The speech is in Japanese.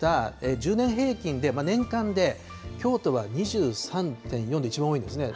１０年平均で、年間で、京都は２３．４で一番多いんですね。